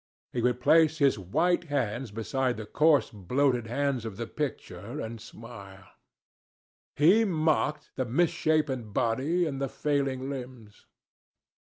He would place his white hands beside the coarse bloated hands of the picture, and smile. He mocked the misshapen body and the failing limbs.